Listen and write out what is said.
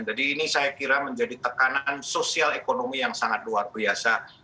jadi ini saya kira menjadi tekanan sosial ekonomi yang sangat luar biasa